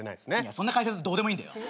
そんな解説どうでもいい。